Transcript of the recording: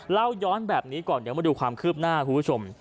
เล่าย้อนแบบนี้ก่อนเดี๋ยวมาดูความคืบหน้าคุณผู้ชม